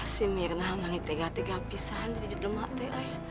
si mirna malah tiga tiga pisah jadi jadi mati